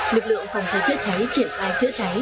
lực lượng phòng cháy chữa cháy triển khai chữa cháy